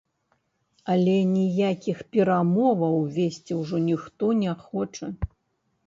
Але ніякіх перамоваў весці ўжо ніхто не хоча.